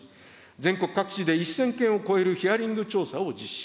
全国各地で１０００件を超えるヒアリング調査を実施。